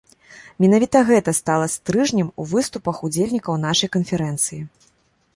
Менавіта гэта стала стрыжнем у выступах удзельнікаў нашай канферэнцыі.